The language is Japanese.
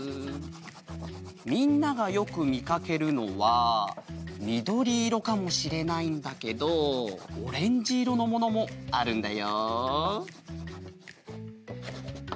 みんながよくみかけるのはみどりいろかもしれないんだけどオレンジいろのものもあるんだよ。